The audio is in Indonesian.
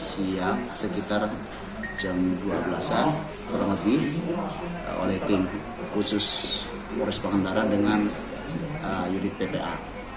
siap sekitar jam dua belas terlebih oleh tim khusus polis pengantaran dengan yudit pba